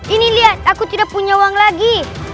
ini lihat aku tidak punya uang lagi